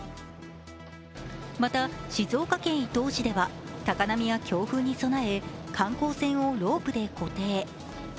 また、静岡県伊東市では高波や強風に備え観光船をロープで固定。